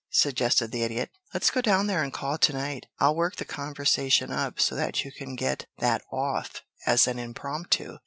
suggested the Idiot. "Let's go down there and call to night. I'll work the conversation up so that you can get that off as an impromptu."